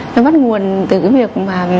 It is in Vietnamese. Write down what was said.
nó bắt nguồn từ cái việc mà